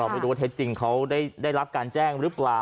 ไม่รู้ว่าเท็จจริงเขาได้รับการแจ้งหรือเปล่า